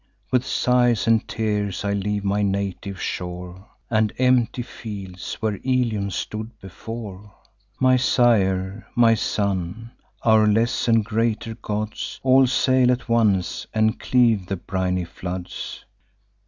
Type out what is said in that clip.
With sighs and tears I leave my native shore, And empty fields, where Ilium stood before. My sire, my son, our less and greater gods, All sail at once, and cleave the briny floods.